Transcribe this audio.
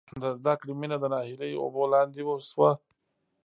د زدکړې مینه د ناهیلۍ اوبو لاندې شوه